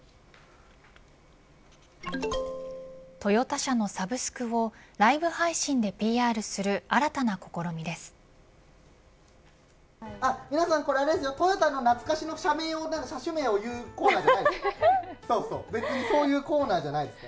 トヨタ車のサブスクをライブ配信でＰＲする新たな試みです。